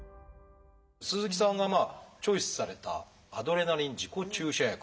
鈴木さんがチョイスされたアドレナリン自己注射薬。